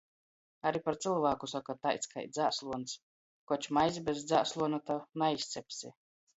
Ari par cylvāku soka - taids kai dzāsluons. Koč maizi bez dzāsluona to naizcepsi.